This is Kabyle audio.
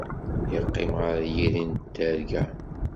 Yeqqim ɣer yiri n terga.